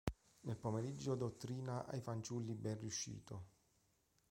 Nel pomeriggio dottrina ai fanciulli ben riuscito.